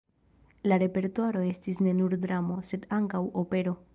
La repertuaro estis ne nur dramo, sed ankaŭ opero.